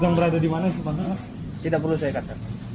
jangan berada di mana supaya tidak perlu saya katakan